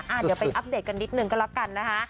เดี๋ยวไปอัปเดตกันนิดนึงก็แล้วกันนะคะ